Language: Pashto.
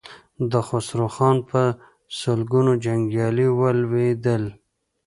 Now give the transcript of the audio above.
د خسرو خان په سلګونو جنګيالي ولوېدل.